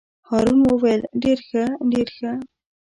هارون وویل: ډېر ښه ډېر ښه.